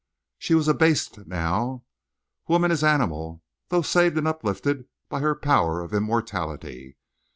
She was abased now—woman as animal, though saved and uplifted by her power of immortality.